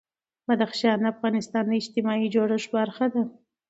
بدخشان د افغانستان د اجتماعي جوړښت برخه ده.